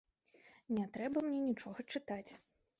Не трэба мне нічога чытаць!